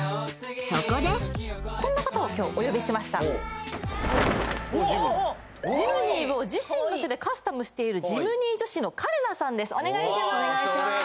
そこでこんな方を今日お呼びしましたジムニーを自身の手でカスタムしているジムニー女子のカレナさんです